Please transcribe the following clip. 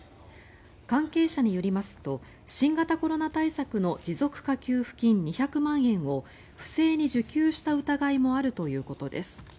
関係者によりますと新型コロナ対策の持続化給付金２００万円を不正に受給した疑いもあるということです。